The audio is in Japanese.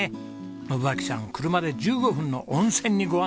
信秋さん車で１５分の温泉にご案内です。